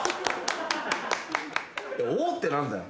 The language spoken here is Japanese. ・「お」って何だよ。